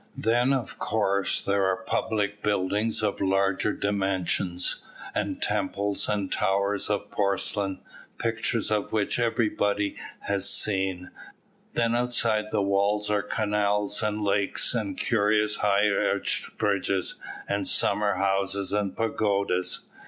Then, of course, there are public buildings of larger dimensions, and temples and towers of porcelain, pictures of which everybody has seen; and then outside the walls are canals and lakes, and curious high arched bridges, and summer houses and pagodas.